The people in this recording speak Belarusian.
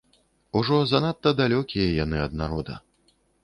Ужо занадта далёкія яны ад народа.